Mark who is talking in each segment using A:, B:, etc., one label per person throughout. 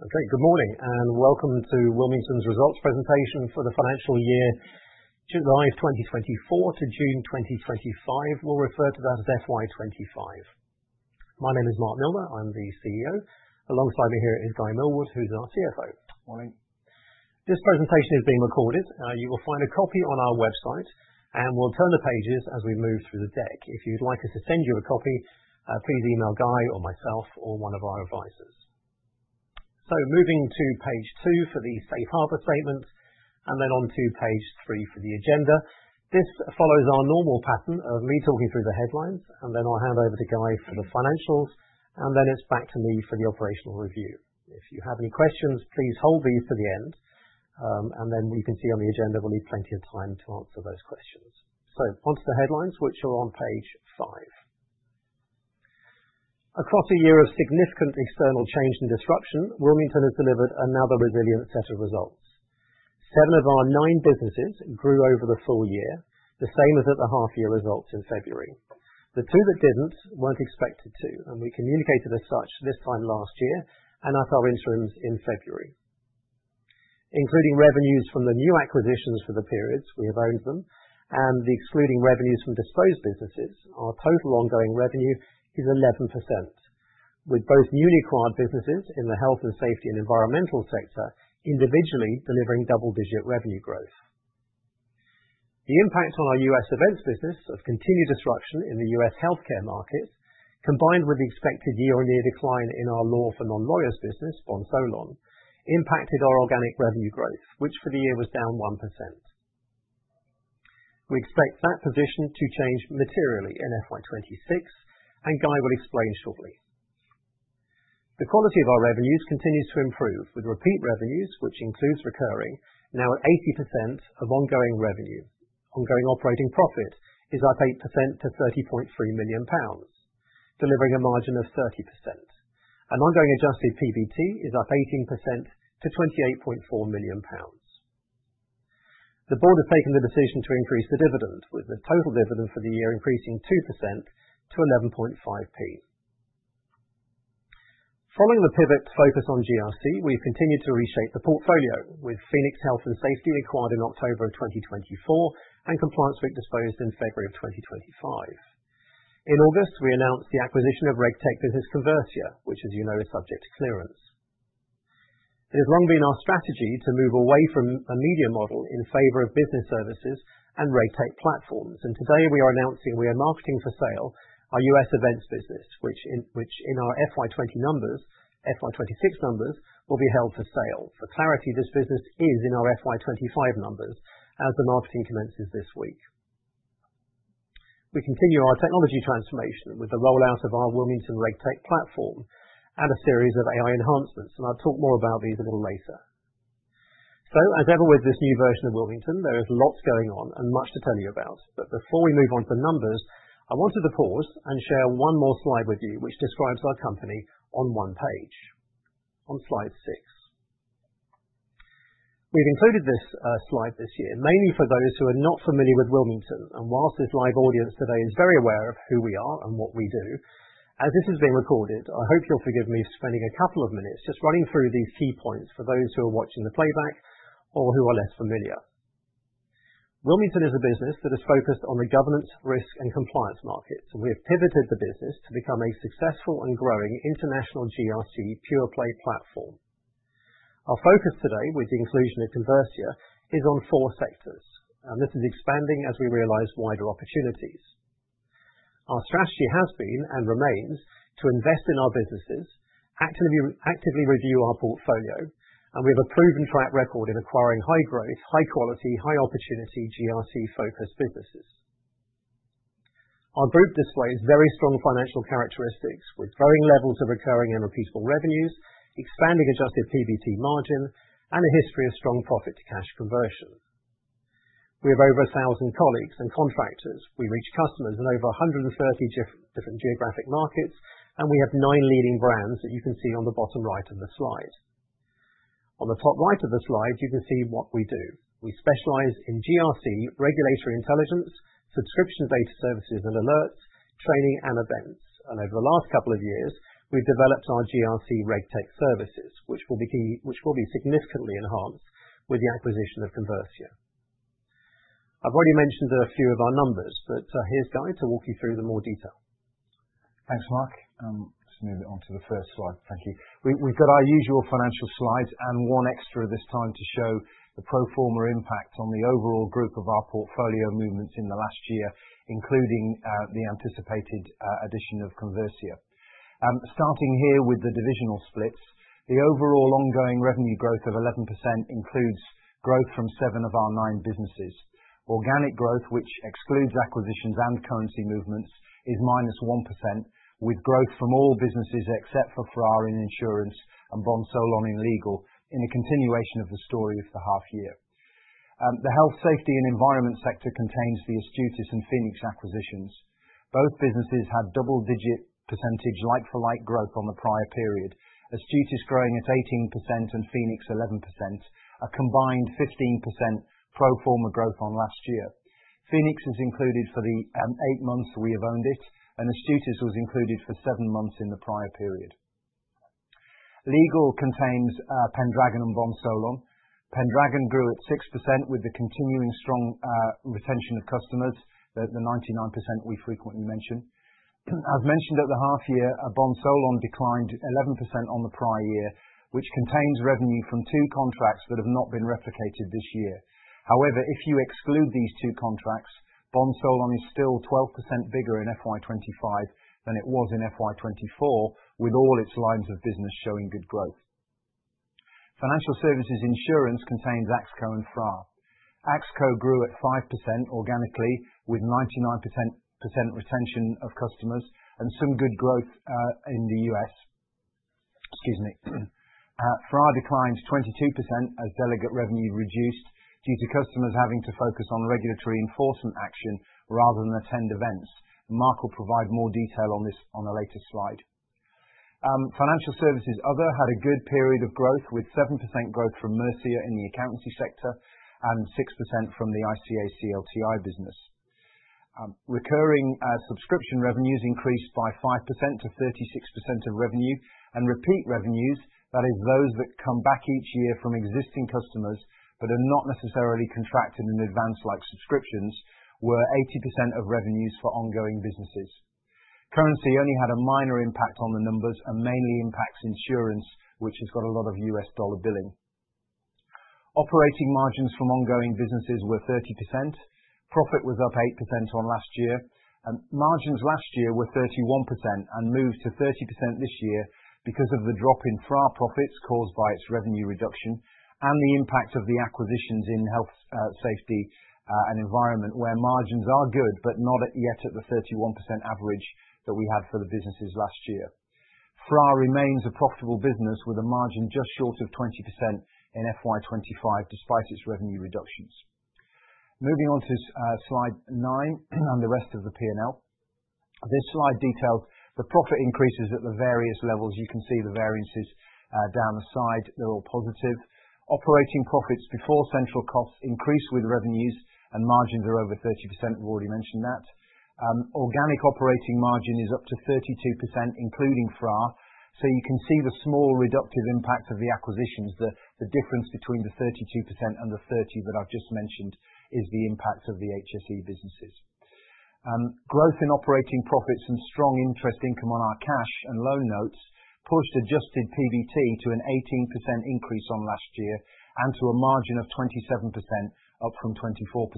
A: Okay, good morning and welcome to Wilmington's results presentation for the financial year July 2024 to June 2025. We'll refer to that as FY25. My name is Mark Milner, I'm the CEO. Alongside me here is Guy Millward, who's our CFO.
B: Good morning.
A: This presentation is being recorded. You will find a copy on our website, and we'll turn the pages as we move through the deck. If you'd like us to send you a copy, please email Guy or myself or one of our advisors. So, moving to page two for the safe harbor statements, and then on to page three for the agenda. This follows our normal pattern of me talking through the headlines, and then I'll hand over to Guy for the financials, and then it's back to me for the operational review. If you have any questions, please hold these to the end, and then you can see on the agenda we'll leave plenty of time to answer those questions. So, onto the headlines, which are on page five. Across a year of significant external change and disruption, Wilmington has delivered another resilient set of results. Seven of our nine businesses grew over the full year, the same as at the half-year results in February. The two that didn't weren't expected to, and we communicated as such this time last year and at our interims in February. Including revenues from the new acquisitions for the periods we have owned them, and excluding revenues from disposed businesses, our total ongoing revenue is 11%, with both newly acquired businesses in the health and safety and environmental sector individually delivering double-digit revenue growth. The impact on our U.S. events business of continued disruption in the U.S. healthcare market, combined with the expected year-on-year decline in our law for non-lawyers business, Bond Solon, impacted our organic revenue growth, which for the year was down 1%. We expect that position to change materially in FY26, and Guy will explain shortly. The quality of our revenues continues to improve, with repeat revenues, which includes recurring, now at 80% of ongoing revenue. Ongoing operating profit is up 8% to £30.3 million, delivering a margin of 30%. And ongoing adjusted PBT is up 18% to £28.4 million. The board has taken the decision to increase the dividend, with the total dividend for the year increasing 2% to 11.5p. Following the pivot to focus on GRC, we've continued to reshape the portfolio, with Phoenix Health & Safety acquired in October of 2024 and Compliance Week disposed in February of 2025. In August, we announced the acquisition of RegTech business Conversia, which, as you know, is subject to clearance. It has long been our strategy to move away from a media model in favor of business services and RegTech platforms, and today we are announcing we are marketing for sale our U.S. events business, which in our FY20 numbers, FY26 numbers, will be held for sale. For clarity, this business is in our FY25 numbers as the marketing commences this week. We continue our technology transformation with the rollout of our Wilmington RegTech platform and a series of AI enhancements, and I'll talk more about these a little later. So, as ever with this new version of Wilmington, there is lots going on and much to tell you about, but before we move on to the numbers, I wanted to pause and share one more slide with you, which describes our company on one page, on slide six. We've included this slide this year mainly for those who are not familiar with Wilmington, and while this live audience today is very aware of who we are and what we do, as this has been recorded, I hope you'll forgive me spending a couple of minutes just running through these key points for those who are watching the playback or who are less familiar. Wilmington is a business that is focused on the governance, risk, and compliance markets, and we have pivoted the business to become a successful and growing international GRC pure play platform. Our focus today with the inclusion of Conversia is on four sectors, and this is expanding as we realize wider opportunities. Our strategy has been and remains to invest in our businesses, actively review our portfolio, and we have a proven track record in acquiring high growth, high quality, high opportunity GRC focused businesses. Our group displays very strong financial characteristics with growing levels of recurring and repeatable revenues, expanding adjusted PBT margin, and a history of strong profit to cash conversion. We have over 1,000 colleagues and contractors. We reach customers in over 130 different geographic markets, and we have nine leading brands that you can see on the bottom right of the slide. On the top right of the slide, you can see what we do. We specialize in GRC, regulatory intelligence, subscription data services and alerts, training, and events, and over the last couple of years, we've developed our GRC RegTech services, which will be significantly enhanced with the acquisition of Conversia. I've already mentioned a few of our numbers, but here's Guy to walk you through them in more detail.
B: Thanks, Mark. Let's move it on to the first slide. Thank you. We've got our usual financial slides and one extra this time to show the pro forma impact on the overall group of our portfolio movements in the last year, including the anticipated addition of Conversia. Starting here with the divisional splits, the overall ongoing revenue growth of 11% includes growth from seven of our nine businesses. Organic growth, which excludes acquisitions and currency movements, is minus 1%, with growth from all businesses except for Axco in insurance and Bond Solon in legal in a continuation of the story of the half year. The health, safety, and environment sector contains the Astutis and Phoenix acquisitions. Both businesses had double-digit percentage like-for-like growth on the prior period. Astutis growing at 18% and Phoenix 11%, a combined 15% pro forma growth on last year. Phoenix is included for the eight months we have owned it, and Astutis was included for seven months in the prior period. Legal contains Pendragon and Bond Solon. Pendragon grew at 6% with the continuing strong retention of customers, the 99% we frequently mention. As mentioned at the half year, Bond Solon declined 11% on the prior year, which contains revenue from two contracts that have not been replicated this year. However, if you exclude these two contracts, Bond Solon is still 12% bigger in FY25 than it was in FY24, with all its lines of business showing good growth. Financial services insurance contains AXCO and FRA. AXCO grew at 5% organically with 99% retention of customers and some good growth in the U.S. Excuse me. FRA declined 22% as delegate revenue reduced due to customers having to focus on regulatory enforcement action rather than attend events. Mark will provide more detail on this on a later slide. Financial services other had a good period of growth with 7% growth from Mercia in the accountancy sector and 6% from the ICA CLTI business. Recurring subscription revenues increased by 5% to 36% of revenue, and repeat revenues, that is those that come back each year from existing customers but are not necessarily contracted in advance like subscriptions, were 80% of revenues for ongoing businesses. Currency only had a minor impact on the numbers and mainly impacts insurance, which has got a lot of U.S. dollar billing. Operating margins from ongoing businesses were 30%. Profit was up 8% on last year. Margins last year were 31% and moved to 30% this year because of the drop in FRA profits caused by its revenue reduction and the impact of the acquisitions in health, safety, and environment, where margins are good but not yet at the 31% average that we had for the businesses last year. FRA remains a profitable business with a margin just short of 20% in FY25 despite its revenue reductions. Moving on to slide nine and the rest of the P&L. This slide details the profit increases at the various levels. You can see the variances down the side. They're all positive. Operating profits before central costs increase with revenues and margins are over 30%. We've already mentioned that. Organic operating margin is up to 32%, including FRA. So you can see the small reductive impact of the acquisitions. The difference between the 32% and the 30% that I've just mentioned is the impact of the HSE businesses. Growth in operating profits and strong interest income on our cash and loan notes pushed adjusted PBT to an 18% increase on last year and to a margin of 27%, up from 24%.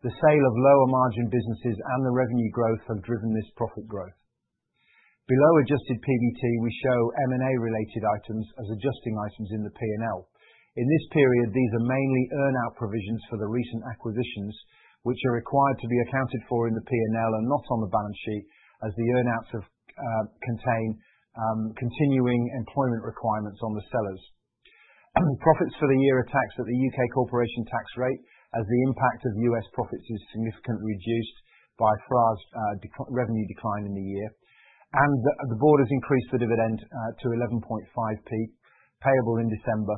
B: The sale of lower margin businesses and the revenue growth have driven this profit growth. Below adjusted PBT, we show M&A related items as adjusting items in the P&L. In this period, these are mainly earnout provisions for the recent acquisitions, which are required to be accounted for in the P&L and not on the balance sheet, as the earnouts contain continuing employment requirements on the sellers. Profits for the year are taxed at the U.K. corporation tax rate, as the impact of U.S. profits is significantly reduced by FRA's revenue decline in the year. And the board has increased the dividend to £0.115, payable in December.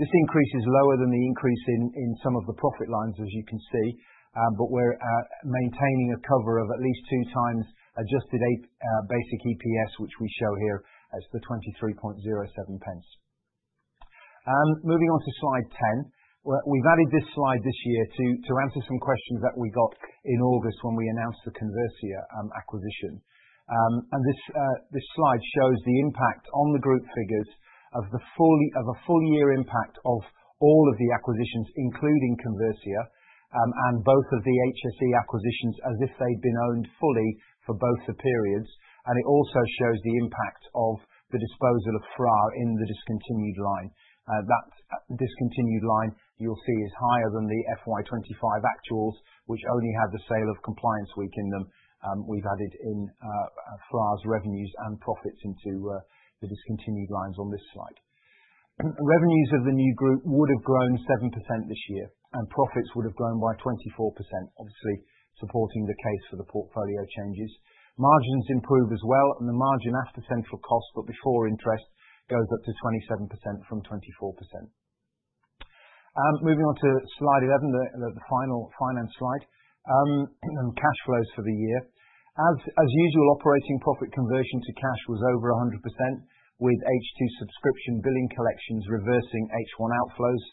B: This increase is lower than the increase in some of the profit lines, as you can see, but we're maintaining a cover of at least two times adjusted basic EPS, which we show here as the £0.2307. Moving on to Slide 10, we've added this slide this year to answer some questions that we got in August when we announced the Conversia acquisition. And this slide shows the impact on the group figures of a full year impact of all of the acquisitions, including Conversia and both of the HSE acquisitions, as if they'd been owned fully for both the periods. And it also shows the impact of the disposal of FRA in the discontinued line. That discontinued line you'll see is higher than the FY25 actuals, which only had the sale of Compliance Week in them. We've added in FRA's revenues and profits into the discontinued lines on this slide. Revenues of the new group would have grown 7% this year, and profits would have grown by 24%, obviously supporting the case for the portfolio changes. Margins improve as well, and the margin after central cost, but before interest, goes up to 27% from 24%. Moving on to slide 11, the final finance slide, and cash flows for the year. As usual, operating profit conversion to cash was over 100%, with H2 subscription billing collections reversing H1 outflows.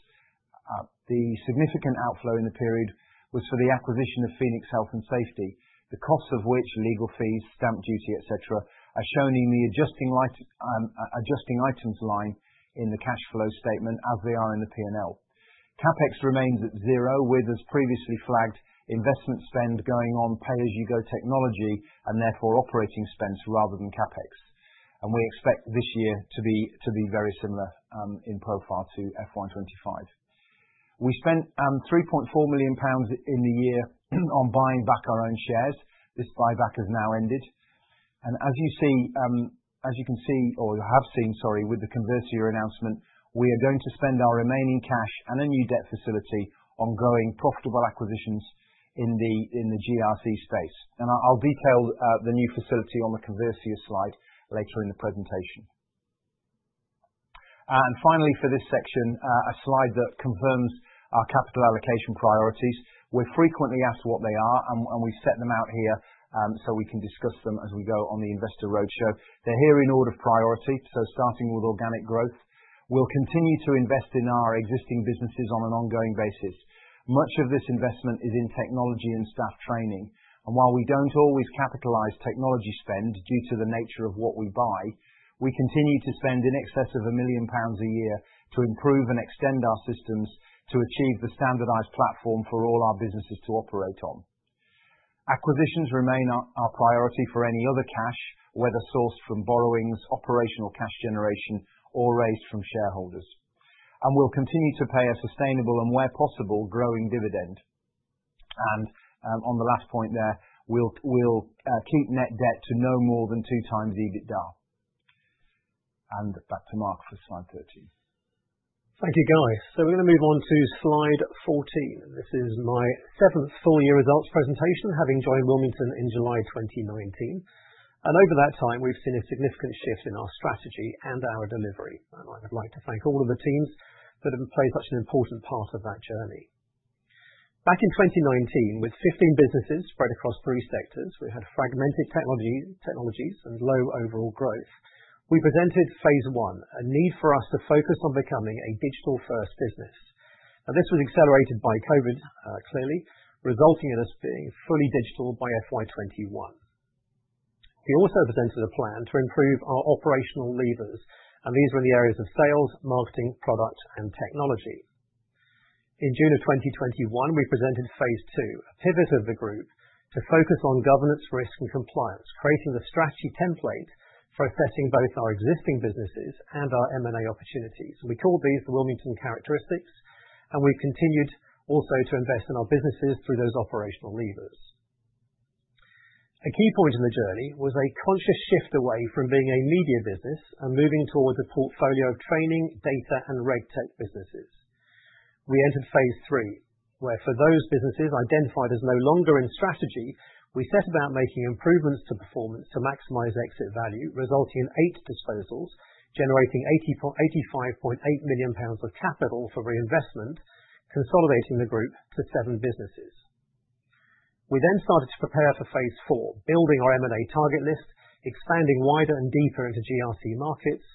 B: The significant outflow in the period was for the acquisition of Phoenix Health and Safety, the costs of which, legal fees, stamp duty, etc., are shown in the adjusting items line in the cash flow statement as they are in the P&L. CapEx remains at zero, with, as previously flagged, investment spend going on pay-as-you-go technology and therefore operating spends rather than CapEx. We expect this year to be very similar in profile to FY25. We spent 3.4 million pounds in the year on buying back our own shares. This buyback has now ended. As you see, as you can see, or have seen, sorry, with the Conversia announcement, we are going to spend our remaining cash and a new debt facility on growing profitable acquisitions in the GRC space. I'll detail the new facility on the Conversia slide later in the presentation. Finally, for this section, a slide that confirms our capital allocation priorities. We're frequently asked what they are, and we've set them out here so we can discuss them as we go on the Investor Roadshow. They're here in order of priority, so starting with organic growth. We'll continue to invest in our existing businesses on an ongoing basis. Much of this investment is in technology and staff training, and while we don't always capitalize technology spend due to the nature of what we buy, we continue to spend in excess of 1 million pounds a year to improve and extend our systems to achieve the standardized platform for all our businesses to operate on. Acquisitions remain our priority for any other cash, whether sourced from borrowings, operational cash generation, or raised from shareholders, and we'll continue to pay a sustainable and, where possible, growing dividend, and on the last point there, we'll keep net debt to no more than two times EBITDA. Back to Mark for slide 13.
A: Thank you, Guy. So we're going to move on to slide 14. This is my seventh full year results presentation, having joined Wilmington in July 2019. And over that time, we've seen a significant shift in our strategy and our delivery. And I would like to thank all of the teams that have played such an important part of that journey. Back in 2019, with 15 businesses spread across three sectors, we had fragmented technologies and low overall growth. We presented phase one, a need for us to focus on becoming a digital-first business. And this was accelerated by COVID, clearly, resulting in us being fully digital by FY21. We also presented a plan to improve our operational levers, and these were in the areas of sales, marketing, product, and technology. In June of 2021, we presented phase two, a pivot of the group to focus on governance, risk, and compliance, creating the strategy template for assessing both our existing businesses and our M&A opportunities. We called these the Wilmington characteristics, and we've continued also to invest in our businesses through those operational levers. A key point in the journey was a conscious shift away from being a media business and moving towards a portfolio of training, data, and RegTech businesses. We entered phase three, where for those businesses identified as no longer in strategy, we set about making improvements to performance to maximize exit value, resulting in eight disposals, generating 85.8 million pounds of capital for reinvestment, consolidating the group to seven businesses. We then started to prepare for phase four, building our M&A target list, expanding wider and deeper into GRC markets,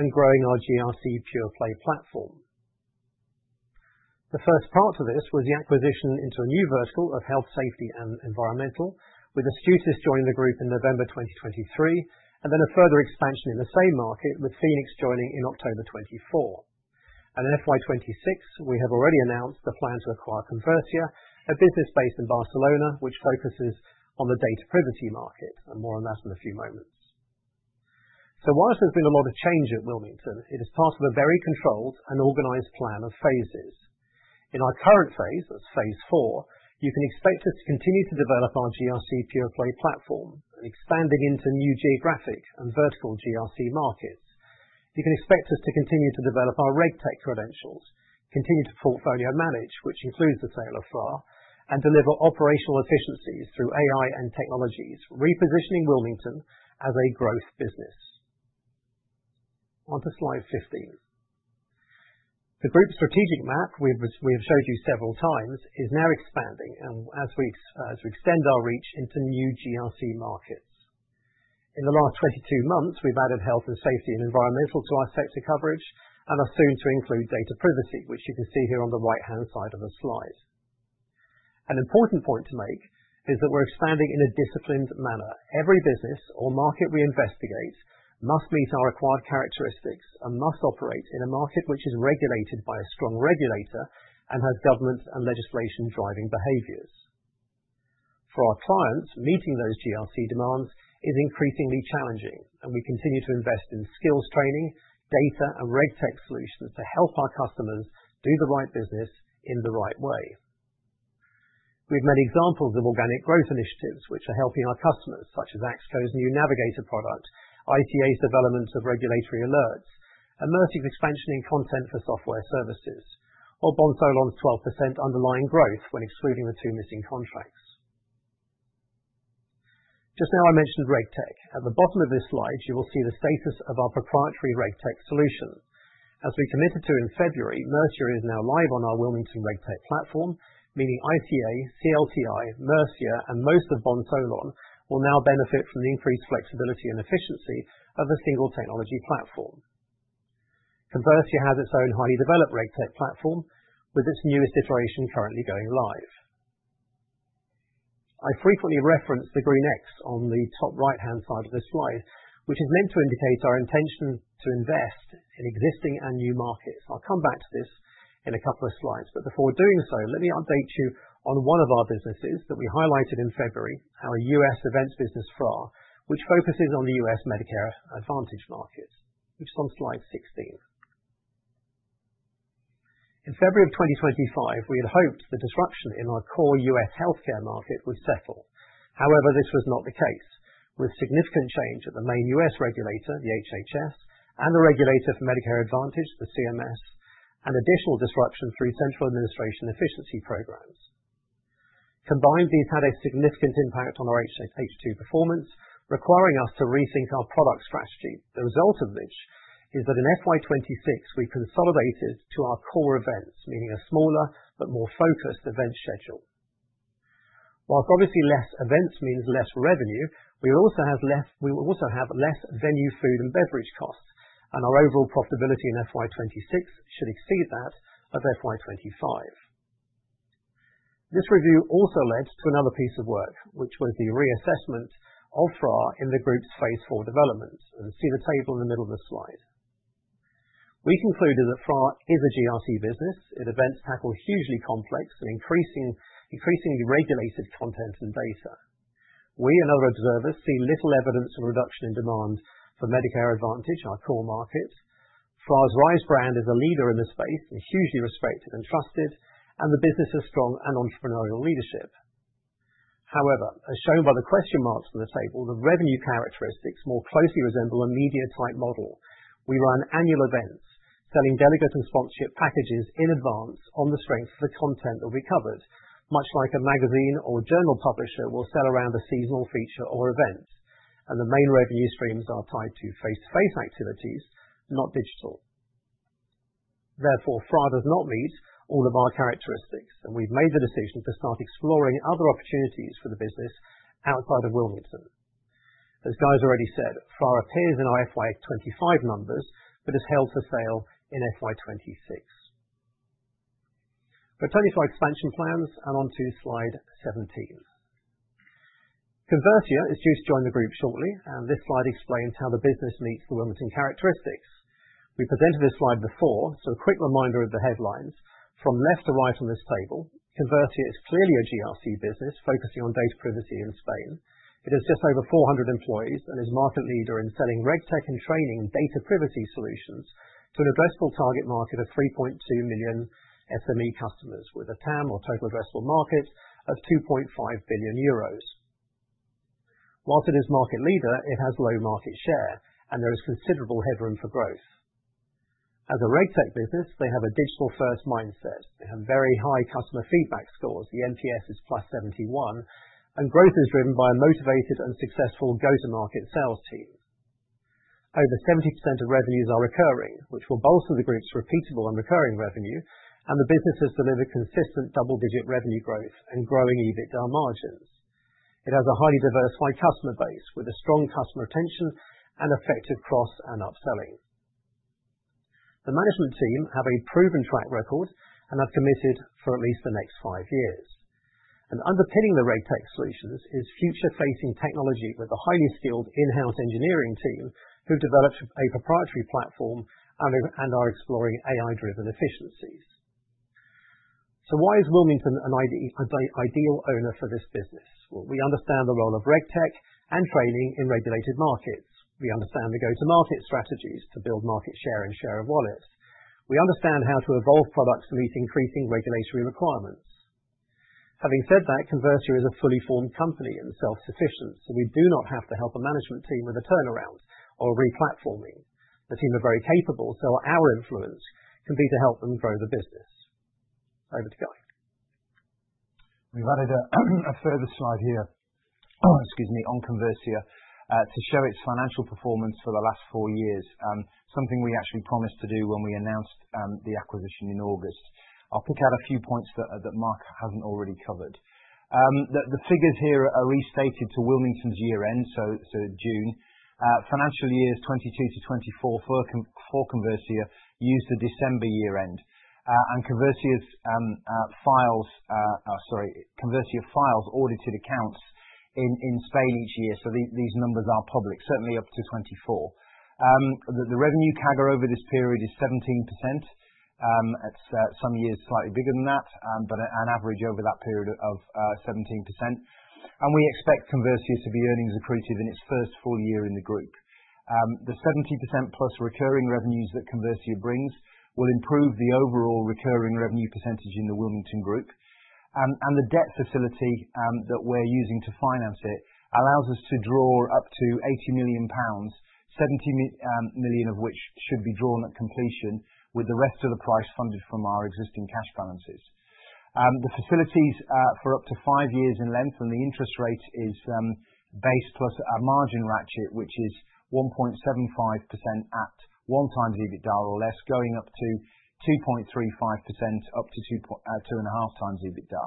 A: and growing our GRC PurePlay platform. The first part of this was the acquisition into a new vertical of health, safety, and environmental, with Astutis joining the group in November 2023, and then a further expansion in the same market with Phoenix joining in October 2024, and in FY26, we have already announced the plan to acquire Conversia, a business based in Barcelona, which focuses on the data privacy market, and more on that in a few moments, so while there's been a lot of change at Wilmington, it is part of a very controlled and organized plan of phases. In our current phase, that's phase four, you can expect us to continue to develop our GRC PurePlay platform and expanding into new geographic and vertical GRC markets. You can expect us to continue to develop our RegTech credentials, continue to portfolio manage, which includes the sale of FRA, and deliver operational efficiencies through AI and technologies, repositioning Wilmington as a growth business. On to slide 15. The group strategic map we have showed you several times is now expanding, and as we extend our reach into new GRC markets. In the last 22 months, we've added health and safety and environmental to our sector coverage and are soon to include data privacy, which you can see here on the right-hand side of the slide. An important point to make is that we're expanding in a disciplined manner. Every business or market we investigate must meet our required characteristics and must operate in a market which is regulated by a strong regulator and has government and legislation driving behaviors. For our clients, meeting those GRC demands is increasingly challenging, and we continue to invest in skills training, data, and RegTech solutions to help our customers do the right business in the right way. We've made examples of organic growth initiatives which are helping our customers, such as AXCO's new Navigator product, ICA's development of regulatory alerts, and Mercia's expansion in content for software services, or Bond Solon's 12% underlying growth when excluding the two missing contracts. Just now I mentioned RegTech. At the bottom of this slide, you will see the status of our proprietary RegTech solution. As we committed to in February, Mercia is now live on our Wilmington RegTech platform, meaning ICA, CLTI, Mercia, and most of Bond Solon will now benefit from the increased flexibility and efficiency of a single technology platform. Conversia has its own highly developed RegTech platform, with its newest iteration currently going live. I frequently reference the green X on the top right-hand side of this slide, which is meant to indicate our intention to invest in existing and new markets. I'll come back to this in a couple of slides, but before doing so, let me update you on one of our businesses that we highlighted in February, our US events business, FRA, which focuses on the US Medicare Advantage market. We've seen slide 16. In February of 2025, we had hoped the disruption in our core US healthcare market would settle. However, this was not the case, with significant change at the main US regulator, the HHS, and the regulator for Medicare Advantage, the CMS, and additional disruption through central administration efficiency programs. Combined, these had a significant impact on our H2 performance, requiring us to rethink our product strategy. The result of which is that in FY26, we consolidated to our core events, meaning a smaller but more focused event schedule. While obviously less events means less revenue, we will also have less venue food and beverage costs, and our overall profitability in FY26 should exceed that of FY25. This review also led to another piece of work, which was the reassessment of FRA in the group's phase four development. You can see the table in the middle of the slide. We concluded that FRA is a GRC business. Its events tackle hugely complex and increasingly regulated content and data. We and other observers see little evidence of a reduction in demand for Medicare Advantage, our core market. FRA's RISE brand is a leader in the space and hugely respected and trusted, and the business has strong entrepreneurial leadership. However, as shown by the question marks on the table, the revenue characteristics more closely resemble a media type model. We run annual events, selling delegates and sponsorship packages in advance on the strength of the content that we covered, much like a magazine or journal publisher will sell around a seasonal feature or event, and the main revenue streams are tied to face-to-face activities, not digital. Therefore, FRA does not meet all of our characteristics, and we've made the decision to start exploring other opportunities for the business outside of Wilmington. As Guy's already said, FRA appears in our FY25 numbers, but is held for sale in FY26. Returning to our expansion plans and on to slide 17. Conversia is due to join the group shortly, and this slide explains how the business meets the Wilmington characteristics. We presented this slide before, so a quick reminder of the headlines. From left to right on this table, Conversia is clearly a GRC business focusing on data privacy in Spain. It has just over 400 employees and is market leader in selling RegTech and training and data privacy solutions to an addressable target market of 3.2 million SME customers, with a TAM or total addressable market of € 2.5 billion. While it is market leader, it has low market share, and there is considerable headroom for growth. As a RegTech business, they have a digital-first mindset. They have very high customer feedback scores. The NPS is +71, and growth is driven by a motivated and successful go-to-market sales team. Over 70% of revenues are recurring, which will bolster the group's repeatable and recurring revenue, and the business has delivered consistent double-digit revenue growth and growing EBITDA margins. It has a highly diversified customer base with a strong customer retention and effective cross and upselling. The management team have a proven track record and have committed for at least the next five years. And underpinning the RegTech solutions is future-facing technology with a highly skilled in-house engineering team who've developed a proprietary platform and are exploring AI-driven efficiencies. So why is Wilmington an ideal owner for this business? Well, we understand the role of RegTech and training in regulated markets. We understand the go-to-market strategies to build market share and share of wallets. We understand how to evolve products to meet increasing regulatory requirements. Having said that, Conversia is a fully formed company and self-sufficient, so we do not have to help a management team with a turnaround or re-platforming. The team are very capable, so our influence can be to help them grow the business. Over to Guy.
B: We've added a further slide here, excuse me, on Conversia to show its financial performance for the last four years, something we actually promised to do when we announced the acquisition in August. I'll pick out a few points that Mark hasn't already covered. The figures here are restated to Wilmington's year-end, so June. Financial years 2022 to 2024 for Conversia used the December year-end, and Conversia files audited accounts in Spain each year, so these numbers are public, certainly up to 2024. The revenue CAGR over this period is 17%. It's some years slightly bigger than that, but an average over that period of 17%. And we expect Conversia to be earnings accretive in its first full year in the group. The 70% plus recurring revenues that Conversia brings will improve the overall recurring revenue percentage in the Wilmington group. The debt facility that we're using to finance it allows us to draw up to 80 million pounds, 70 million of which should be drawn at completion, with the rest of the price funded from our existing cash balances. The facility's for up to five years in length, and the interest rate is base plus a margin ratchet, which is 1.75% at one times EBITDA or less, going up to 2.35% up to two and a half times EBITDA.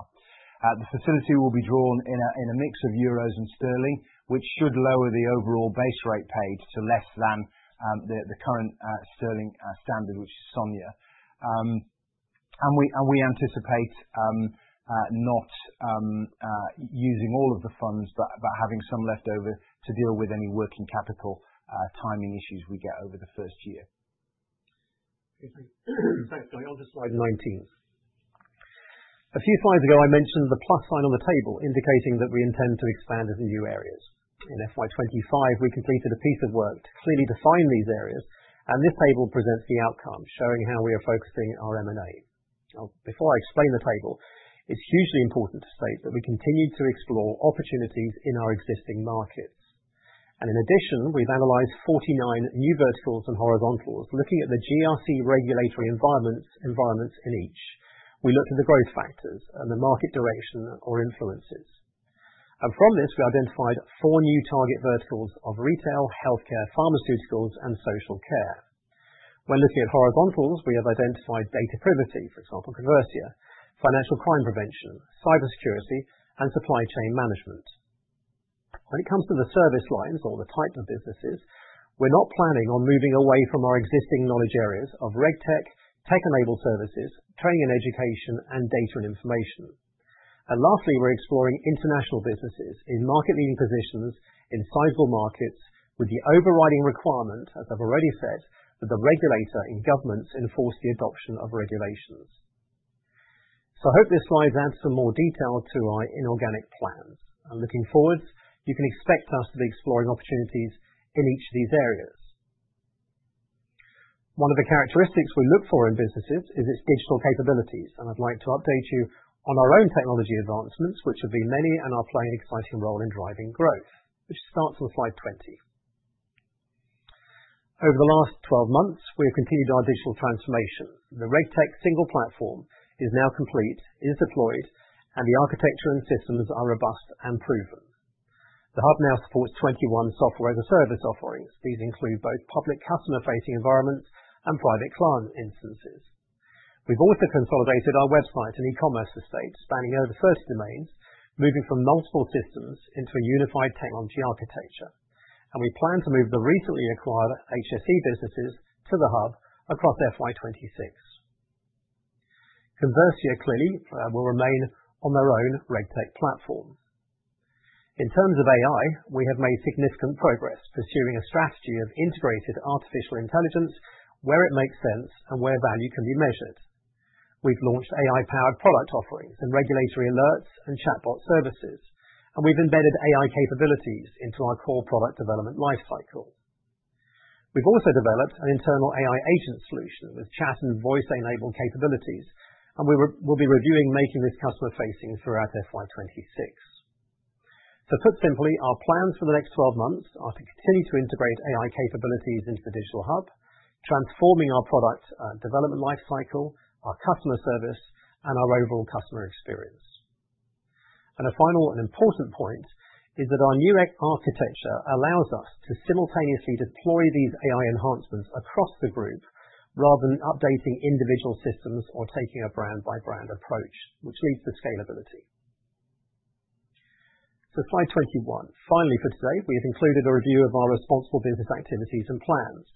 B: The facility will be drawn in a mix of euros and sterling, which should lower the overall base rate paid to less than the current sterling standard, which is SONIA. We anticipate not using all of the funds, but having some left over to deal with any working capital timing issues we get over the first year.
A: Thanks, Guy. On to slide 19. A few slides ago, I mentioned the plus sign on the table indicating that we intend to expand into new areas. In FY25, we completed a piece of work to clearly define these areas, and this table presents the outcome showing how we are focusing our M&A. Before I explain the table, it's hugely important to state that we continue to explore opportunities in our existing markets. And in addition, we've analysed 49 new verticals and horizontals, looking at the GRC regulatory environments in each. We looked at the growth factors and the market direction or influences. And from this, we identified four new target verticals of retail, healthcare, pharmaceuticals, and social care. When looking at horizontals, we have identified data privacy, for example, Conversia, financial crime prevention, cybersecurity, and supply chain management. When it comes to the service lines or the type of businesses, we're not planning on moving away from our existing knowledge areas of RegTech, tech-enabled services, training and education, and data and information, and lastly, we're exploring international businesses in market-leading positions in sizable markets with the overriding requirement, as I've already said, that the regulator in governments enforce the adoption of regulations, so I hope this slide adds some more detail to our inorganic plans, and looking forwards, you can expect us to be exploring opportunities in each of these areas. One of the characteristics we look for in businesses is its digital capabilities, and I'd like to update you on our own technology advancements, which have been many and are playing an exciting role in driving growth, which starts on slide 20. Over the last 12 months, we have continued our digital transformation. The RegTech single platform is now complete, is deployed, and the architecture and systems are robust and proven. The hub now supports 21 software as a service offerings. These include both public customer-facing environments and private cloud instances. We've also consolidated our website and e-commerce estate spanning over 30 domains, moving from multiple systems into a unified technology architecture, and we plan to move the recently acquired HSE businesses to the hub across FY26. Conversia, clearly, will remain on their own RegTech platform. In terms of AI, we have made significant progress pursuing a strategy of integrated artificial intelligence where it makes sense and where value can be measured. We've launched AI-powered product offerings and regulatory alerts and chatbot services, and we've embedded AI capabilities into our core product development lifecycle. We've also developed an internal AI agent solution with chaps and voice-enabled capabilities, and we will be reviewing making this customer-facing throughout FY26, so put simply, our plans for the next 12 months are to continue to integrate AI capabilities into the digital hub, transforming our product development lifecycle, our customer service, and our overall customer experience, and a final and important point is that our new architecture allows us to simultaneously deploy these AI enhancements across the group rather than updating individual systems or taking a brand-by-brand approach, which leads to scalability, so slide 21. Finally, for today, we have included a review of our responsible business activities and plans.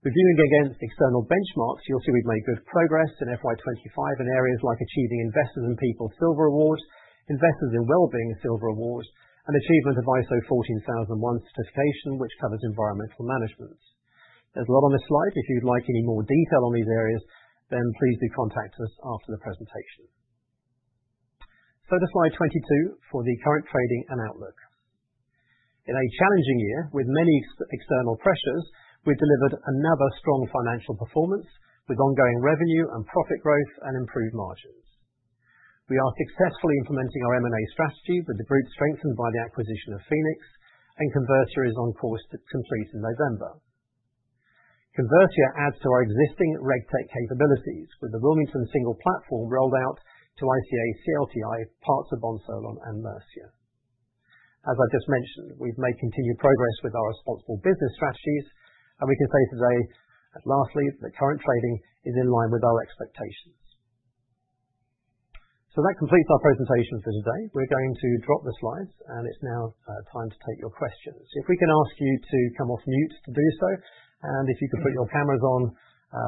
A: Reviewing against external benchmarks, you'll see we've made good progress in FY25 in areas like achieving Investors in People Silver Award, Investors in Wellbeing Silver Award, and achievement of ISO 14001 certification, which covers environmental management. There's a lot on this slide. If you'd like any more detail on these areas, then please do contact us after the presentation. So to slide 22 for the current trading and outlook. In a challenging year with many external pressures, we've delivered another strong financial performance with ongoing revenue and profit growth and improved margins. We are successfully implementing our M&A strategy, with the group strengthened by the acquisition of Phoenix, and Conversia is on course to complete in November. Conversia adds to our existing RegTech capabilities with the Wilmington single platform rolled out to ICA, CLTI, parts of Bond Solon, and Mercia. As I've just mentioned, we've made continued progress with our responsible business strategies, and we can say today lastly that the current trading is in line with our expectations. So that completes our presentation for today. We're going to drop the slides, and it's now time to take your questions. If we can ask you to come off mute to do so, and if you could put your cameras on,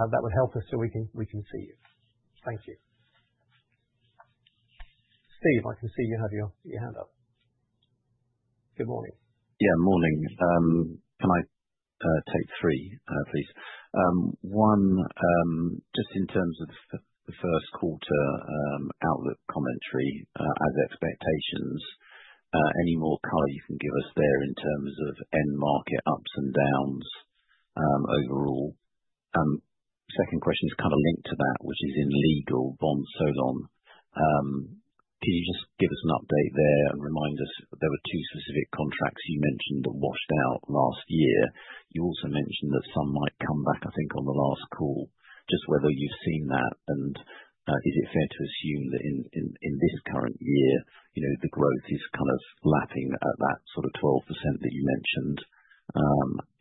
A: that would help us so we can see you. Thank you. Steve, I can see you have your hand up. Good morning. Yeah, morning. Can I take three, please? One, just in terms of the Q1 outlook commentary as expectations, any more color you can give us there in terms of end market ups and downs overall. Second question is kind of linked to that, which is in Legal Bond Solon. Can you just give us an update there and remind us there were two specific contracts you mentioned that washed out last year? You also mentioned that some might come back, I think, on the last call, just whether you've seen that, and is it fair to assume that in this current year, the growth is kind of lapping at that sort of 12% that you mentioned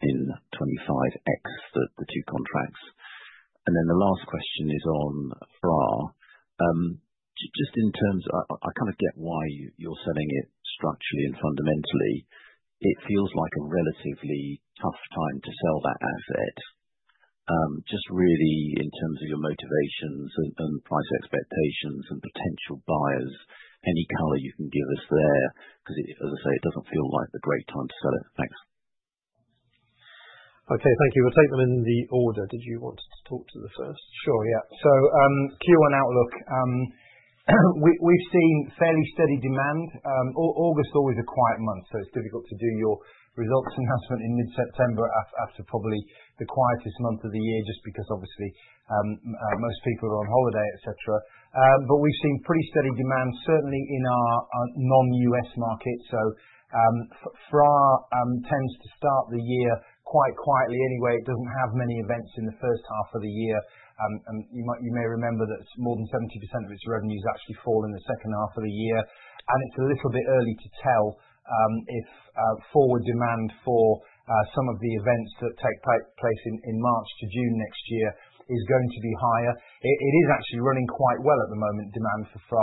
A: in 2025, ex the two contracts? And then the last question is on FRA. Just in terms of I kind of get why you're selling it structurally and fundamentally. It feels like a relatively tough time to sell that asset. Just really in terms of your motivations and price expectations and potential buyers, any color you can give us there, because as I say, it doesn't feel like the great time to sell it. Thanks. Okay, thank you. We'll take them in the order. Did you want to talk to the first?
B: Sure, yeah. So Q1 outlook. We've seen fairly steady demand. August's always a quiet month, so it's difficult to do your results announcement in mid-September after probably the quietest month of the year, just because obviously most people are on holiday, etc. But we've seen pretty steady demand, certainly in our non-U.S. market. So FRA tends to start the year quite quietly anyway. It doesn't have many events in the first half of the year. You may remember that more than 70% of its revenues actually fall in the second half of the year, and it's a little bit early to tell if forward demand for some of the events that take place in March to June next year is going to be higher. It is actually running quite well at the moment, demand for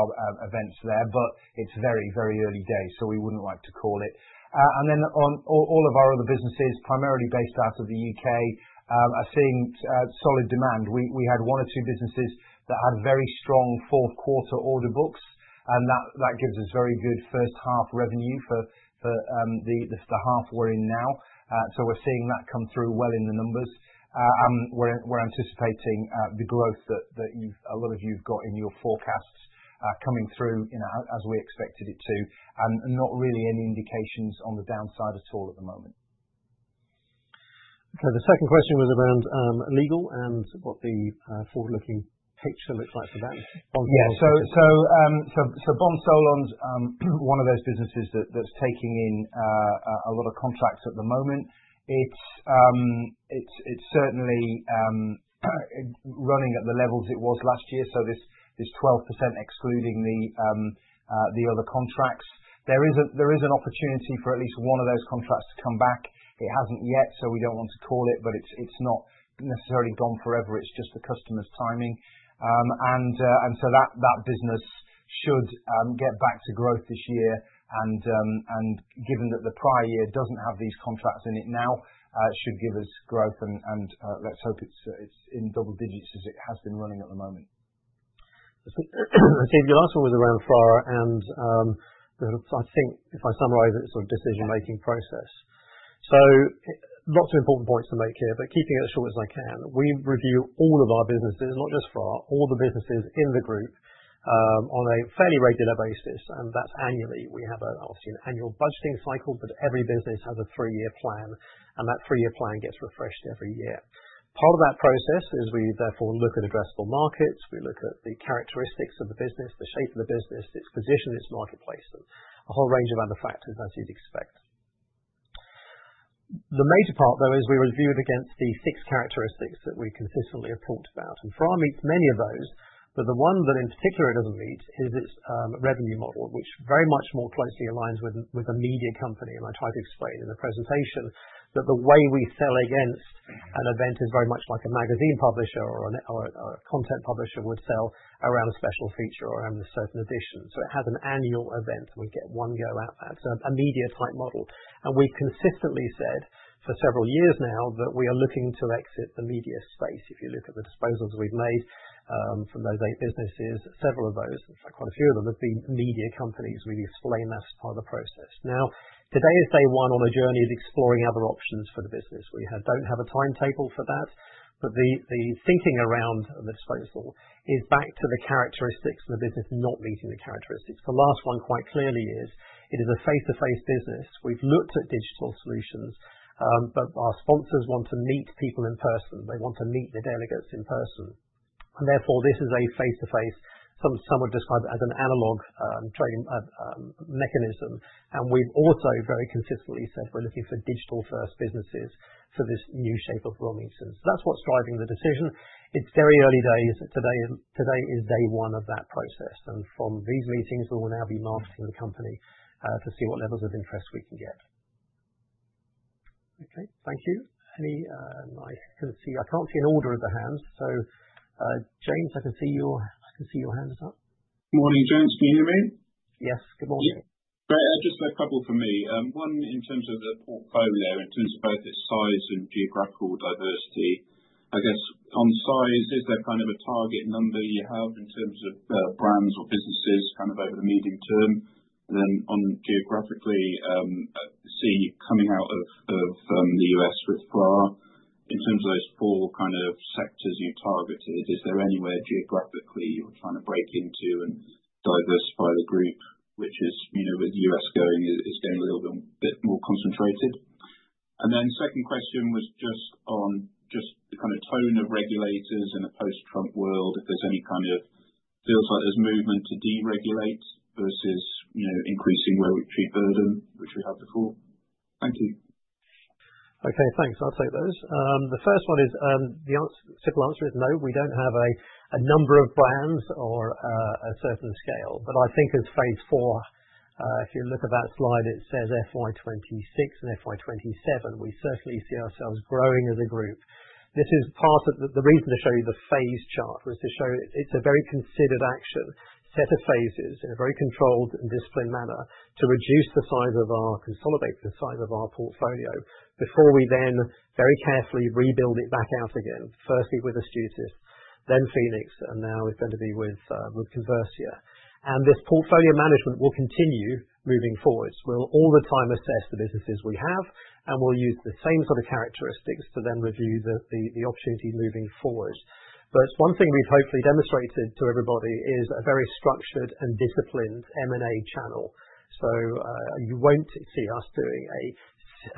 B: events there, but it's very, very early days, so we wouldn't like to call it and then all of our other businesses, primarily based out of the UK, are seeing solid demand. We had one or two businesses that had very strong Q4 order books, and that gives us very good first half revenue for the half we're in now, so we're seeing that come through well in the numbers. We're anticipating the growth that a lot of you've got in your forecasts coming through as we expected it to, and not really any indications on the downside at all at the moment.
A: Okay, the second question was around legal and what the forward-looking picture looks like for that.
B: Yeah, so Bond Solon's one of those businesses that's taking in a lot of contracts at the moment. It's certainly running at the levels it was last year, so this 12% excluding the other contracts. There is an opportunity for at least one of those contracts to come back. It hasn't yet, so we don't want to call it, but it's not necessarily gone forever. It's just the customer's timing. And so that business should get back to growth this year, and given that the prior year doesn't have these contracts in it now, it should give us growth, and let's hope it's in double digits as it has been running at the moment. Steve, your last one was around FRA, and I think if I summarize it, it's a decision-making process. So lots of important points to make here, but keeping it as short as I can. We review all of our businesses, not just FRA, all the businesses in the group on a fairly regular basis, and that's annually. We have obviously an annual budgeting cycle, but every business has a three-year plan, and that three-year plan gets refreshed every year. Part of that process is we therefore look at addressable markets. We look at the characteristics of the business, the shape of the business, its position, its marketplace, and a whole range of other factors as you'd expect. The major part, though, is we review it against the six characteristics that we consistently have talked about. FRA meets many of those, but the one that in particular it doesn't meet is its revenue model, which very much more closely aligns with a media company. I tried to explain in the presentation that the way we sell against an event is very much like a magazine publisher or a content publisher would sell around a special feature or around a certain edition. It has an annual event, and we get one go at that. It's a media-type model. We've consistently said for several years now that we are looking to exit the media space. If you look at the disposals we've made from those eight businesses, several of those, in fact, quite a few of them have been media companies. We've explained that as part of the process. Now, today is day one on a journey of exploring other options for the business. We don't have a timetable for that, but the thinking around the disposal is back to the characteristics and the business not meeting the characteristics. The last one quite clearly is it is a face-to-face business. We've looked at digital solutions, but our sponsors want to meet people in person. They want to meet the delegates in person. And therefore, this is a face-to-face, some would describe it as an analog trading mechanism. And we've also very consistently said we're looking for digital-first businesses for this new shape of Wilmington. So that's what's driving the decision. It's very early days. Today is day one of that process. And from these meetings, we will now be marketing the company to see what levels of interest we can get. Okay, thank you.
A: I can see an order of the hands. So James, I can see your hand is up. Good morning, James. Can you hear me? Yes, good morning. Great. Just a couple for me. One in terms of the portfolio, in terms of both its size and geographical diversity. I guess on size, is there kind of a target number you have in terms of brands or businesses kind of over the medium term? And then geographically, seeing coming out of the U.S. with FRA. In terms of those four kind of sectors you targeted, is there anywhere geographically you're trying to break into and diversify the group, which, with the U.S. going, it's getting a little bit more concentrated? And then second question was just on the kind of tone of regulators in a post-Trump world, if there's any kind of feel like there's movement to deregulate versus increasing regulatory burden, which we had before. Thank you. Okay, thanks. I'll take those. The first one is the simple answer is no. We don't have a number of brands or a certain scale. But I think as phase four, if you look at that slide, it says FY26 and FY27, we certainly see ourselves growing as a group. This is part of the reason to show you the phase chart was to show it's a very considered action, set of phases in a very controlled and disciplined manner to reduce the size of our portfolio before we then very carefully rebuild it back out again, firstly with Astutis, then Phoenix, and now is going to be with Conversia. And this portfolio management will continue moving forward. We'll all the time assess the businesses we have, and we'll use the same sort of characteristics to then review the opportunity moving forward. But one thing we've hopefully demonstrated to everybody is a very structured and disciplined M&A channel. So you won't see us doing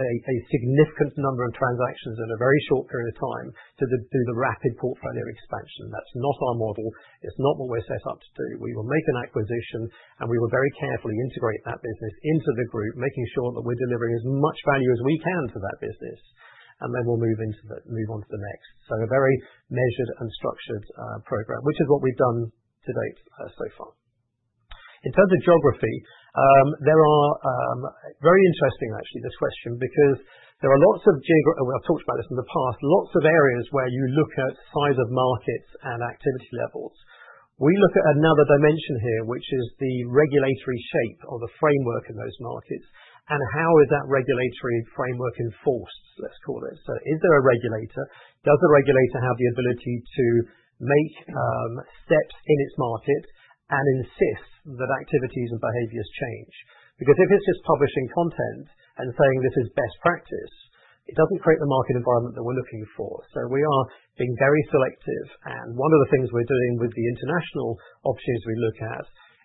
A: a significant number of transactions in a very short period of time to do the rapid portfolio expansion. That's not our model. It's not what we're set up to do. We will make an acquisition, and we will very carefully integrate that business into the group, making sure that we're delivering as much value as we can to that business, and then we'll move on to the next. So a very measured and structured program, which is what we've done to date so far. In terms of geography, there are very interesting actually this question because there are lots of geographies. I've talked about this in the past, lots of areas where you look at size of markets and activity levels. We look at another dimension here, which is the regulatory shape or the framework of those markets and how is that regulatory framework enforced, let's call it. So is there a regulator? Does the regulator have the ability to make steps in its market and insist that activities and behaviors change? Because if it's just publishing content and saying this is best practice, it doesn't create the market environment that we're looking for. So we are being very selective. And one of the things we're doing with the international options we look at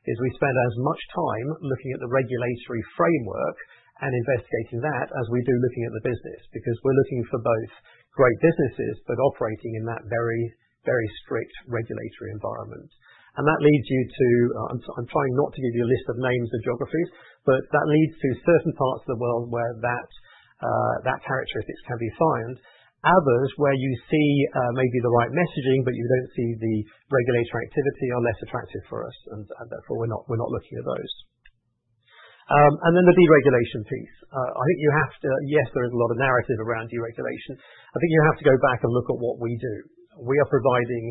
A: is we spend as much time looking at the regulatory framework and investigating that as we do looking at the business because we're looking for both great businesses but operating in that very, very strict regulatory environment. And that leads you to. I'm trying not to give you a list of names of geographies, but that leads to certain parts of the world where that characteristics can be found. Others where you see maybe the right messaging, but you don't see the regulatory activity are less attractive for us, and therefore we're not looking at those. And then the deregulation piece. I think you have to, yes, there is a lot of narrative around deregulation. I think you have to go back and look at what we do. We are providing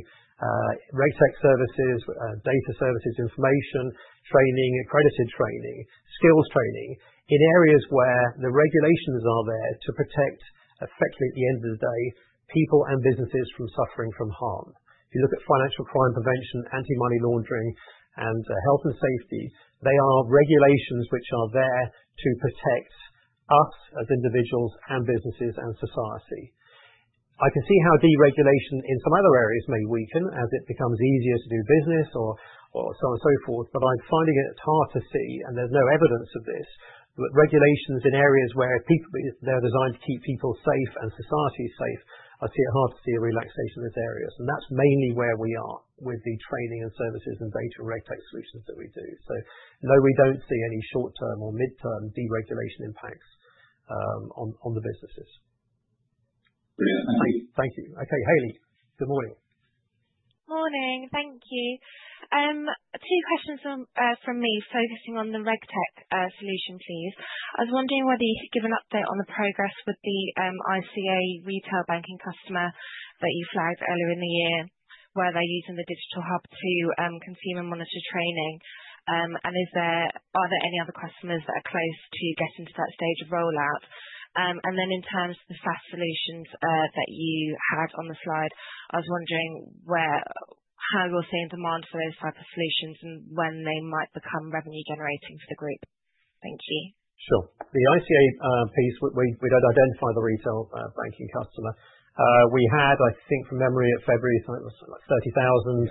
A: RegTech services, data services, information, training, accredited training, skills training in areas where the regulations are there to protect effectively at the end of the day people and businesses from suffering from harm. If you look at financial crime prevention, anti-money laundering, and health and safety, they are regulations which are there to protect us as individuals and businesses and society. I can see how deregulation in some other areas may weaken as it becomes easier to do business or so on and so forth, but I'm finding it's hard to see, and there's no evidence of this, but regulations in areas where they're designed to keep people safe and society safe, I see it hard to see a relaxation in those areas. And that's mainly where we are with the training and services and data RegTech solutions that we do. So no, we don't see any short-term or mid-term deregulation impacts on the businesses. Brilliant. Thank you. Thank you. Okay, Hayley, good morning. Morning. Thank you. Two questions from me focusing on the RegTech solution, please. I was wondering whether you could give an update on the progress with the ICA retail banking customer that you flagged earlier in the year where they're using the digital hub to consume and monitor training. And are there any other customers that are close to getting to that stage of rollout? And then in terms of the SaaS solutions that you had on the slide, I was wondering how you're seeing demand for those type of solutions and when they might become revenue-generating for the group. Thank you. Sure. The ICA piece, we don't identify the retail banking customer. We had, I think from memory, at February, it was like 30,000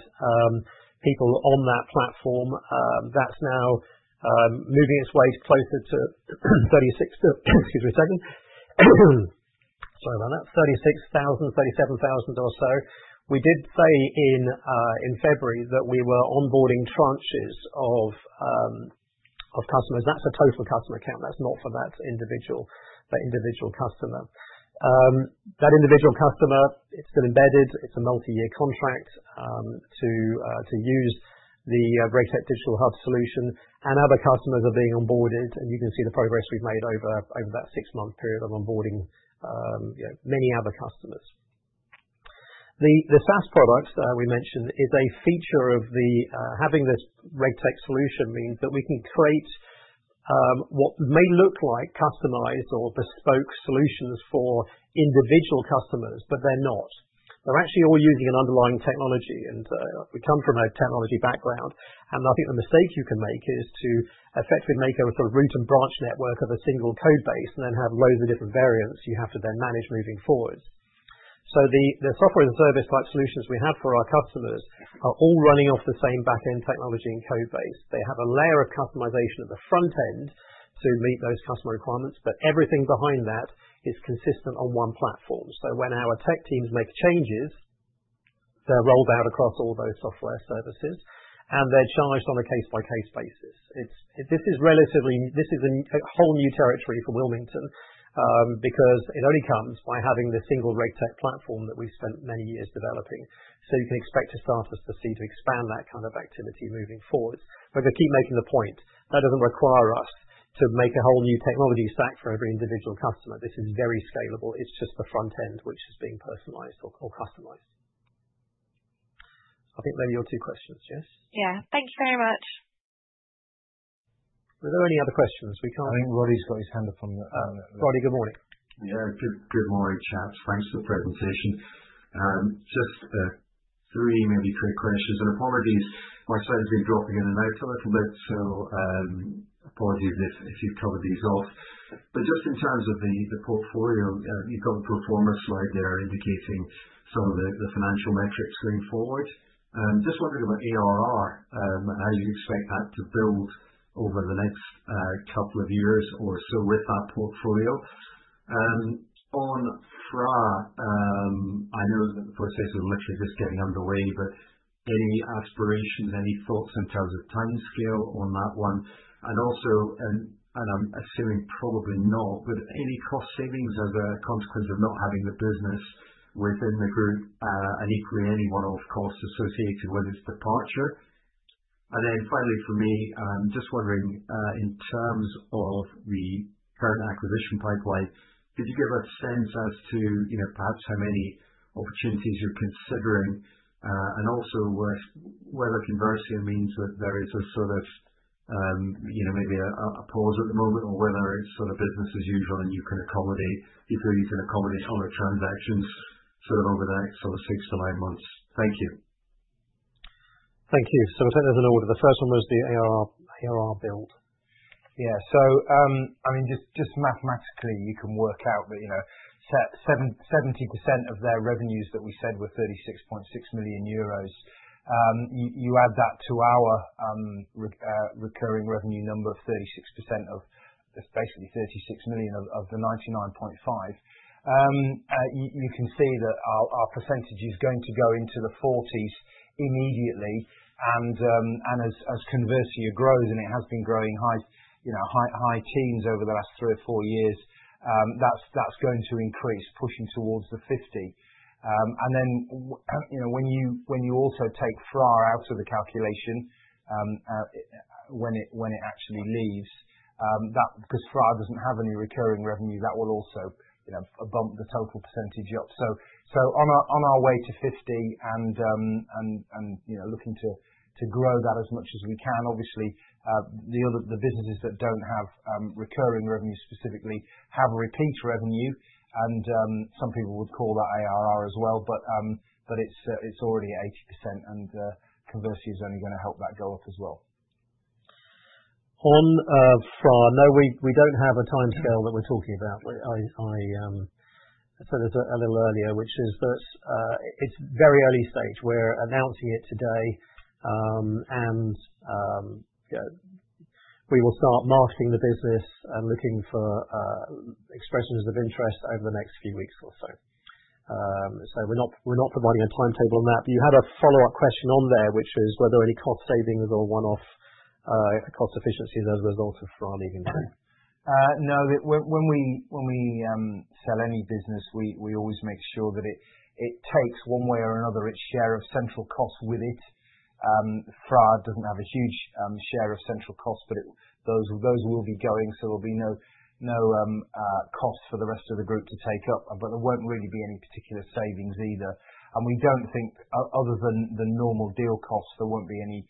A: people on that platform. That's now moving its way closer to 36, excuse me a second. Sorry about that. 36,000, 37,000 or so. We did say in February that we were onboarding tranches of customers. That's a total customer count. That's not for that individual customer. That individual customer, it's still embedded. It's a multi-year contract to use the RegTech digital hub solution, and other customers are being onboarded. You can see the progress we've made over that six-month period of onboarding many other customers. The SaaS product we mentioned is a feature of having this RegTech solution means that we can create what may look like customized or bespoke solutions for individual customers, but they're not. They're actually all using an underlying technology. We come from a technology background. I think the mistake you can make is to effectively make a sort of root and branch network of a single code base and then have loads of different variants you have to then manage moving forward. The software as a service type solutions we have for our customers are all running off the same back-end technology and code base. They have a layer of customization at the front end to meet those customer requirements, but everything behind that is consistent on one platform. When our tech teams make changes, they're rolled out across all those software services, and they're charged on a case-by-case basis. This is a whole new territory for Wilmington because it only comes by having the single RegTech platform that we spent many years developing. So you can expect to start to see us expand that kind of activity moving forward. But to keep making the point, that doesn't require us to make a whole new technology stack for every individual customer. This is very scalable. It's just the front end which is being personalized or customized. I think they're your two questions, Jess. Yeah. Thank you very much. Were there any other questions? We can't.
B: I think Roddy's got his hand up on the.
A: Roddy, good morning. Yeah, good morning, chat. Thanks for the presentation. Just three, maybe three questions. And apologies, my slides have been dropping in and out a little bit, so apologies if you've covered these off. But just in terms of the portfolio, you've got the performance slide there indicating some of the financial metrics going forward. Just wondering about ARR and how you expect that to build over the next couple of years or so with that portfolio. On FRA, I know that the process is literally just getting underway, but any aspirations, any thoughts in terms of timescale on that one? And also, and I'm assuming probably not, but any cost savings as a consequence of not having the business within the group and equally any one-off costs associated with its departure? And then finally for me, just wondering in terms of the current acquisition pipeline, could you give a sense as to perhaps how many opportunities you're considering? And also whether Conversia means that there is a sort of maybe a pause at the moment or whether it's sort of business as usual and you can accommodate people, you can accommodate on the transactions sort of over the next sort of six to nine months? Thank you. Thank you. So I'll take those in order. The first one was the ARR build. Yeah. So I mean, just mathematically, you can work out that 70% of their revenues that we said were 36.6 million euros. You add that to our recurring revenue number of 36% of basically 36 million of the 99.5. You can see that our percentage is going to go into the 40s immediately. And as Conversia grows, and it has been growing high teens over the last three or four years, that's going to increase, pushing towards the 50. And then when you also take FRA out of the calculation when it actually leaves, because FRA doesn't have any recurring revenue, that will also bump the total percentage up. So on our way to 50 and looking to grow that as much as we can, obviously, the businesses that don't have recurring revenue specifically have repeat revenue. And some people would call that ARR as well, but it's already 80%, and Conversia is only going to help that go up as well. On FRA, no, we don't have a timescale that we're talking about. I said this a little earlier, which is that it's very early stage. We're announcing it today, and we will start marketing the business and looking for expressions of interest over the next few weeks or so. So we're not providing a timetable on that. But you had a follow-up question on there, which is whether any cost savings or one-off cost efficiencies as a result of FRA leaving? No, when we sell any business, we always make sure that it takes one way or another its share of central costs with it. FRA doesn't have a huge share of central costs, but those will be going, so there'll be no costs for the rest of the group to take up, but there won't really be any particular savings either, and we don't think other than the normal deal costs, there won't be any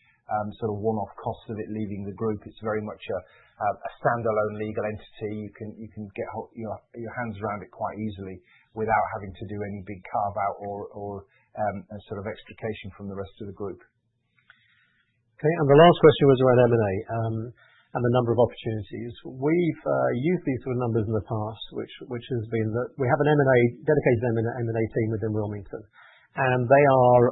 A: sort of one-off costs of it leaving the group. It's very much a standalone legal entity. You can get your hands around it quite easily without having to do any big carve-out or sort of extrication from the rest of the group. Okay, and the last question was around M&A and the number of opportunities. We've used these sort of numbers in the past, which has been that we have a dedicated M&A team within Wilmington, and they are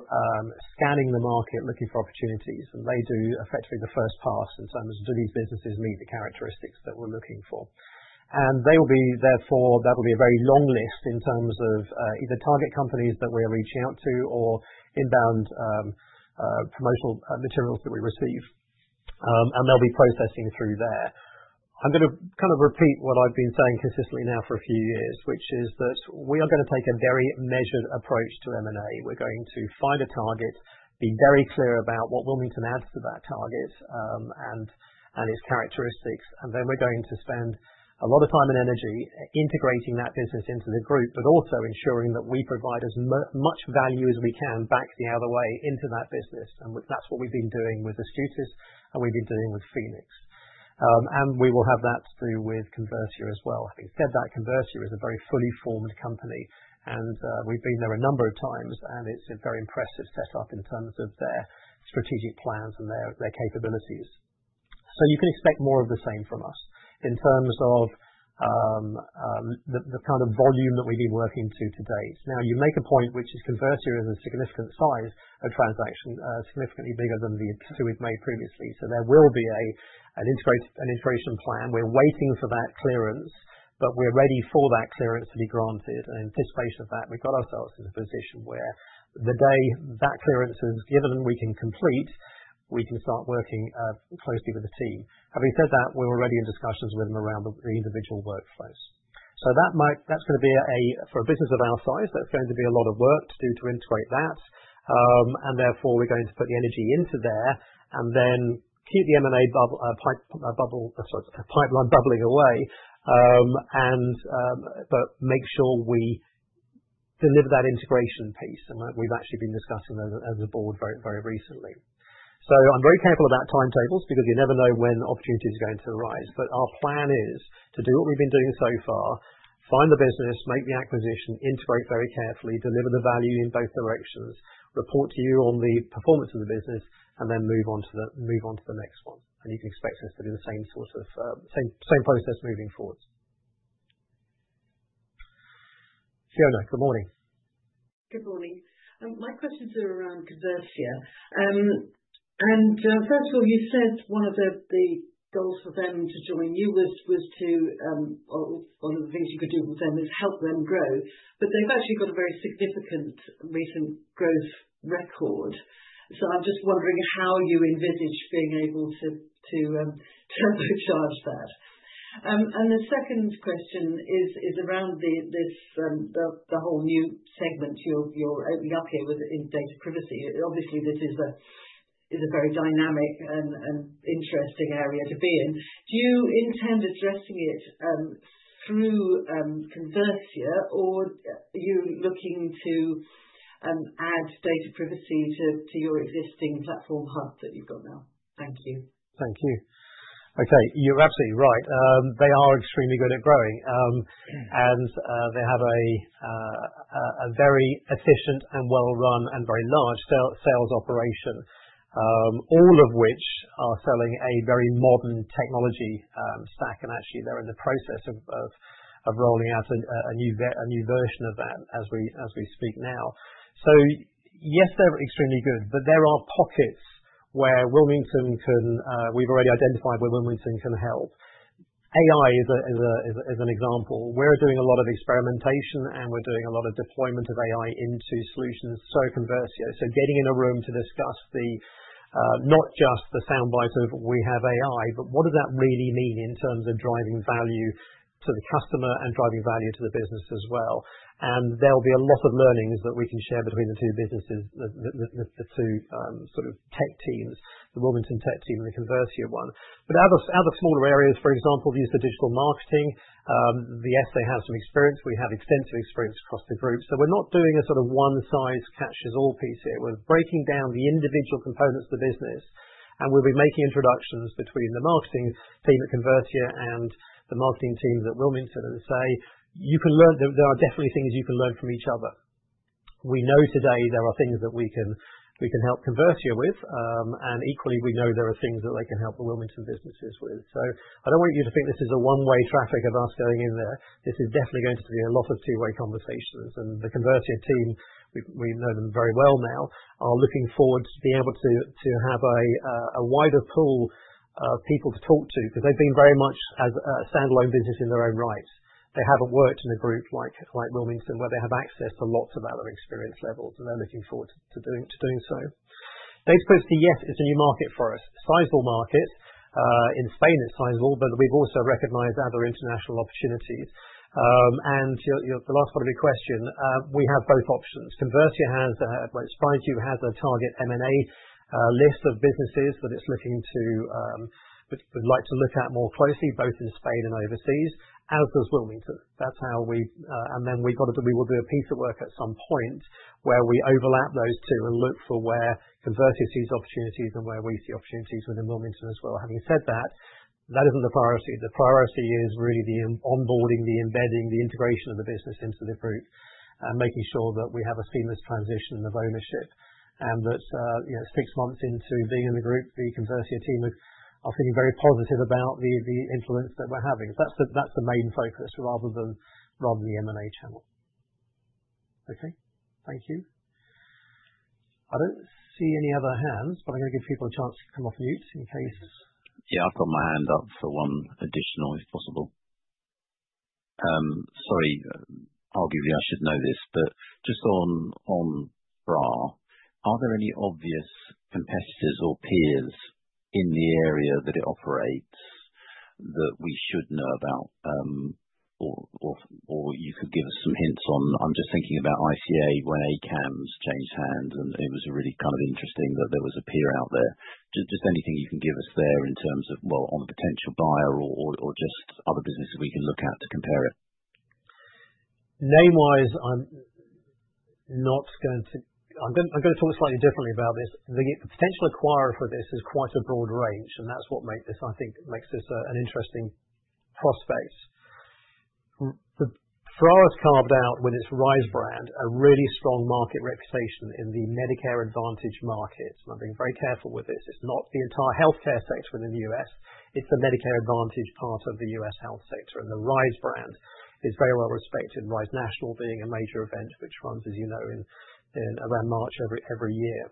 A: scanning the market looking for opportunities, and they do effectively the first pass in terms of, do these businesses meet the characteristics that we're looking for? There will be a very long list in terms of either target companies that we're reaching out to or inbound promotional materials that we receive, and they'll be processing through there. I'm going to kind of repeat what I've been saying consistently now for a few years, which is that we are going to take a very measured approach to M&A. We're going to find a target, be very clear about what Wilmington adds to that target and its characteristics. And then we're going to spend a lot of time and energy integrating that business into the group, but also ensuring that we provide as much value as we can back the other way into that business. And that's what we've been doing with Astutis, and we've been doing with Phoenix. And we will have that to do with Conversia as well. Having said that, Conversia is a very fully formed company, and we've been there a number of times, and it's a very impressive setup in terms of their strategic plans and their capabilities. So you can expect more of the same from us in terms of the kind of volume that we've been working to date. Now, you make a point, which is Conversia is a significant size of transaction, significantly bigger than the two we've made previously. So there will be an integration plan. We're waiting for that clearance, but we're ready for that clearance to be granted, and in anticipation of that, we've got ourselves in a position where the day that clearance is given and we can complete, we can start working closely with the team. Having said that, we're already in discussions with them around the individual workflows, so that's going to be for a business of our size, that's going to be a lot of work to do to integrate that, and therefore, we're going to put the energy into there and then keep the M&A pipeline bubbling away, but make sure we deliver that integration piece, and we've actually been discussing those as a board very recently, so I'm very careful about timetables because you never know when opportunities are going to arise. But our plan is to do what we've been doing so far, find the business, make the acquisition, integrate very carefully, deliver the value in both directions, report to you on the performance of the business, and then move on to the next one. And you can expect us to do the same sort of same process moving forward. Fiona, good morning. Good morning. My questions are around Conversia. And first of all, you said one of the goals for them to join you was to, or one of the things you could do for them is help them grow. But they've actually got a very significant recent growth record. So I'm just wondering how you envisage being able to turbocharge that. And the second question is around the whole new segment you're opening up here with data privacy. Obviously, this is a very dynamic and interesting area to be in. Do you intend addressing it through Conversia, or are you looking to add data privacy to your existing platform hub that you've got now? Thank you. Thank you. Okay. You're absolutely right. They are extremely good at growing. And they have a very efficient and well-run and very large sales operation, all of which are selling a very modern technology stack. And actually, they're in the process of rolling out a new version of that as we speak now. So yes, they're extremely good, but there are pockets we've already identified where Wilmington can help. AI is an example. We're doing a lot of experimentation, and we're doing a lot of deployment of AI into solutions. Conversia. So getting in a room to discuss not just the soundbite of, "We have AI," but what does that really mean in terms of driving value to the customer and driving value to the business as well? And there'll be a lot of learnings that we can share between the two businesses, the two sort of tech teams, the Wilmington tech team and the Conversia one. But other smaller areas, for example, the use of digital marketing, yes, they have some experience. We have extensive experience across the group. So we're not doing a sort of one-size-fits-all piece here. We're breaking down the individual components of the business. And we'll be making introductions between the marketing team at Conversia and the marketing team at Wilmington and say, "You can learn. There are definitely things you can learn from each other. We know today there are things that we can help Conversia with. And equally, we know there are things that they can help the Wilmington businesses with." So I don't want you to think this is a one-way traffic of us going in there. This is definitely going to be a lot of two-way conversations, and the Conversia team, we know them very well now, are looking forward to being able to have a wider pool of people to talk to because they've been very much a standalone business in their own right. They haven't worked in a group like Wilmington where they have access to lots of other experience levels, and they're looking forward to doing so. Data privacy, yes, it's a new market for us. Sizable market. In Spain, it's sizable, but we've also recognized other international opportunities, and the last part of your question, we have both options. Conversia has, well, it's fine to have a target M&A list of businesses that it's looking to, would like to look at more closely, both in Spain and overseas, as does Wilmington. That's how we and then we will do a piece of work at some point where we overlap those two and look for where Conversia sees opportunities and where we see opportunities within Wilmington as well. Having said that, that isn't the priority. The priority is really the onboarding, the embedding, the integration of the business into the group, and making sure that we have a seamless transition of ownership and that six months into being in the group, the Conversia team are feeling very positive about the influence that we're having. So that's the main focus rather than the M&A channel. Okay. Thank you. I don't see any other hands, but I'm going to give people a chance to come off mute in case. Yeah, I've got my hand up for one additional, if possible. Sorry, arguably I should know this, but just on FRA, are there any obvious competitors or peers in the area that it operates that we should know about? Or you could give us some hints on. I'm just thinking about ICA when ACAMS changed hands, and it was really kind of interesting that there was a peer out there. Just anything you can give us there in terms of, well, on a potential buyer or just other businesses we can look at to compare it. Name-wise, I'm going to talk slightly differently about this. The potential acquirer for this is quite a broad range, and that's what makes this, I think, an interesting prospect. FRA has carved out, with its RISE brand, a really strong market reputation in the Medicare Advantage market. And I'm being very careful with this. It's not the entire healthcare sector within the U.S. It's the Medicare Advantage part of the U.S. health sector. And the RISE brand is very well respected, RISE National being a major event which runs, as you know, around March every year.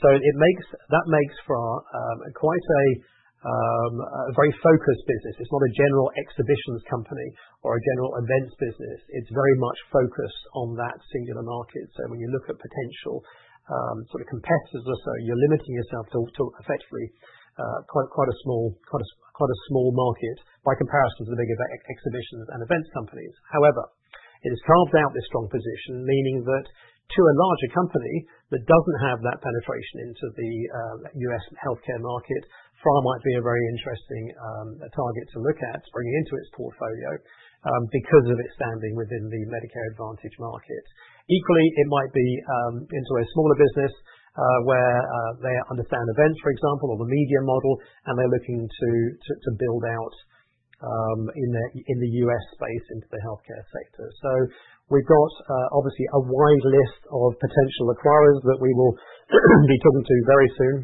A: So that makes FRA quite a very focused business. It's not a general exhibitions company or a general events business. It's very much focused on that singular market. So when you look at potential sort of competitors or so, you're limiting yourself to effectively quite a small market by comparison to the bigger exhibitions and events companies. However, it has carved out this strong position, meaning that to a larger company that doesn't have that penetration into the U.S. healthcare market, FRA might be a very interesting target to look at, bringing into its portfolio because of its standing within the Medicare Advantage market. Equally, it might be into a smaller business where they understand events, for example, or the media model, and they're looking to build out in the U.S. space into the healthcare sector. So we've got, obviously, a wide list of potential acquirers that we will be talking to very soon.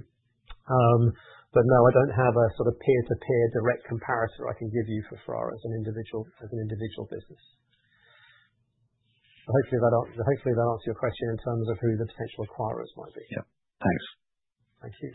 A: But no, I don't have a sort of peer-to-peer direct comparator I can give you for FRA as an individual business. So hopefully, that answers your question in terms of who the potential acquirers might be. Yeah. Thanks. Thank you.